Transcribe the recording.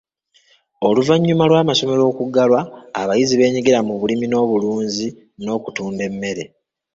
Oluvannyuma lw'amasomero okuggalwa, abayizi beenyigira mu bulimirunzi n'okutunda emmere.